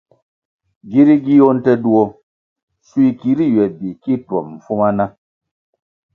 Giri giyoh nte duo, schui kiri ywe bi ki twom mfuma na?